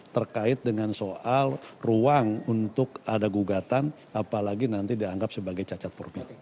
terkait dengan soal ruang untuk ada gugatan apalagi nanti dianggap sebagai cacat formil